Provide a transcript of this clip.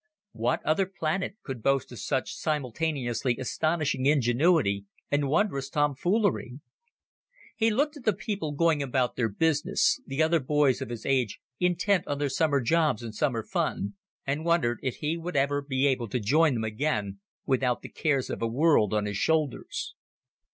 What other planet could boast of such simultaneously astonishing ingenuity and wondrous tomfoolery? He looked at the people going about their business, the other boys of his age intent on their summer jobs and summer fun, and wondered if he would ever be able to join them again without the cares of a world on his shoulders?